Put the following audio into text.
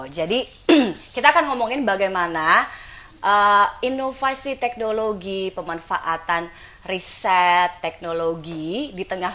jadi kita akan ngomongin bagaimana inovasi teknologi pemanfaatan riset teknologi di tengah